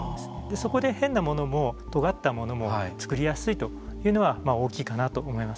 そこで変なものもとがったものも作りやすいというのは大きいかなと思います。